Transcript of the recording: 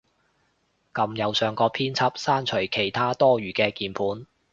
撳右上角編輯，刪除其它多餘嘅鍵盤